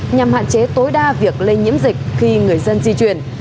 nhằm hạn chế tối đa việc lây nhiễm dịch khi người dân di chuyển